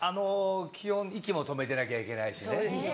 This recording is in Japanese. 基本息も止めてなきゃいけないしね。